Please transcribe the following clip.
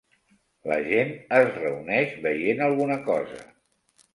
La gent es reuneix veient alguna cosa.